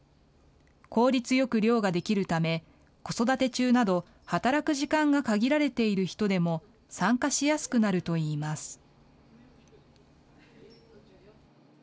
効率よく漁ができるため、子育て中など、働く時間が限られている人でも、参加しやすくなるといいます。